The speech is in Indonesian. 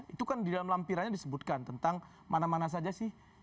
itu kan di dalam lampirannya disebutkan tentang mana mana saja sih